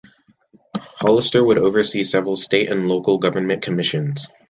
Hollister would oversee several State and Local Government Commissions.